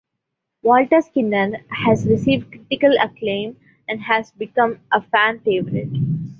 Walter Skinner has received critical acclaim and has become a fan favorite.